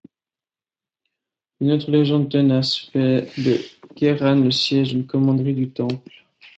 Une autre légende tenace fait de Cairanne le siège d'une commanderie du Temple.